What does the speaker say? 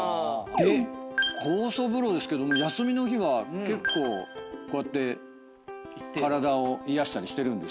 で酵素風呂ですけど休みの日は結構こうやって体を癒やしたりしてるんですか？